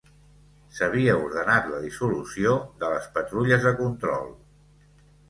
S'havia ordenat la dissolució de les patrulles de control